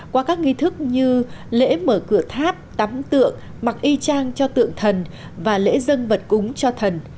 qua các nghi thức như lễ mở cửa tháp tắm tượng mặc y trang cho tượng thần và lễ dân vật cúng cho thần